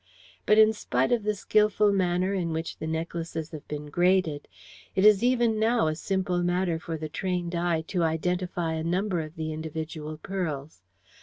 But in spite of the skilful manner in which the necklaces have been graded, it is even now a simple matter for the trained eye to identify a number of the individual pearls.